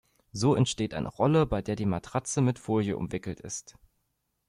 So entsteht eine Rolle, bei der die Matratze mit Folie umwickelt ist.